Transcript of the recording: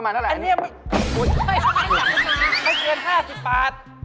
ไม่เกิน๕๐บาท